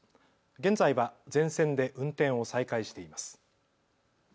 現在は全線で運転を再開しています。